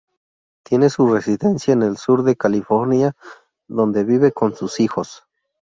Tiene su residencia en el sur de California donde vive con sus hijos.